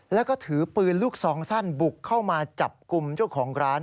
แล้วก็ถือปืนลูกซองสั้นบุกเข้ามาจับกลุ่มเจ้าของร้าน